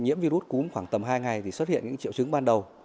nhiễm virus cúm khoảng tầm hai ngày thì xuất hiện những triệu chứng ban đầu